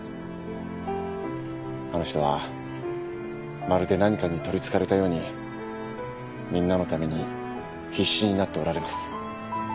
あの人はまるで何かに取りつかれたようにみんなのために必死になっておられます。